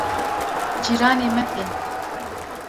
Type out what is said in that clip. cîranê me tên